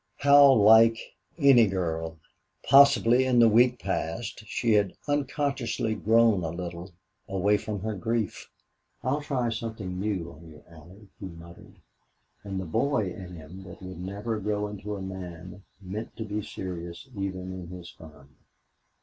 How like any girl! Possibly in the week past she had unconsciously grown a little away from her grief. "I'll try something new on you, Allie," he muttered, and the boy in him that would never grow into a man meant to be serious even in his fun.